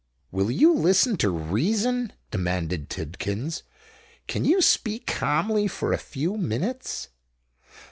"Will you listen to reason?" demanded Tidkins: "can you speak calmly for a few minutes?"